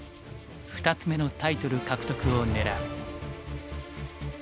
２つ目のタイトル獲得を狙う。